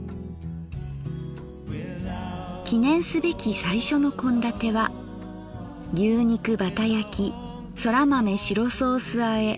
記念すべき最初の献立は牛肉バタ焼きそら豆白ソースあえ